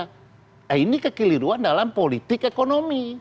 nah ini kekeliruan dalam politik ekonomi